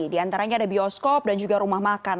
diantaranya ada bioskop dan juga rumah makan